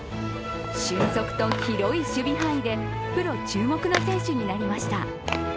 俊足と広い守備範囲でプロ注目の選手になりました。